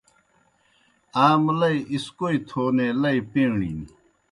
آ مُلَئی اِسکوئی تھونے لئی پیݨِیْن۔